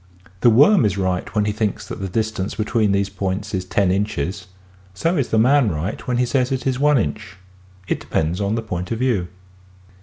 The worm is right when he thinks the distance between these points is lo inches : so is the man right when he says it is one inch. It depends on the point of view.